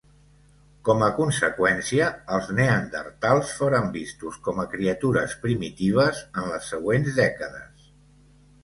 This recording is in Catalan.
Com a conseqüència, els neandertals foren vistos com a criatures primitives en les següents dècades.